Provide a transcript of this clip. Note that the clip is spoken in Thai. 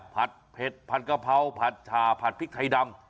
ผัดเผ็ดผัดกะเพราผัดชาผัดพริกไทยดำ